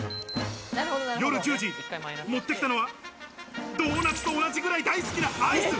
夜１０時、持ってきたのはドーナツと同じくらい大好きなアイス。